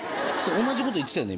同じこと言ってたよね？